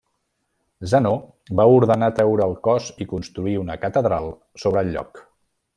Zenó va ordenar treure el cos i construir una catedral sobre el lloc.